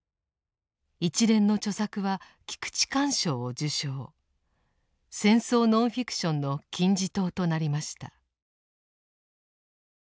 一連の著作は菊池寛賞を受賞戦争ノンフィクションの金字塔となりました。